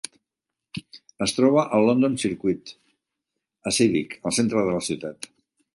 Es troba al London Circuit, a Civic, al centre de la ciutat.